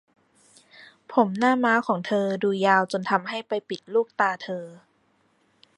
ผมหน้าม้าของเธอดูยาวจนทำให้ไปปิดลูกตาเธอ